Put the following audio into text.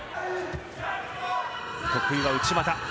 得意は内股。